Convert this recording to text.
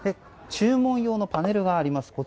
注文用のパネルがあります。